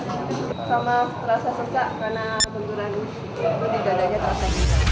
sama terasa sesak karena benturan di dadanya terasa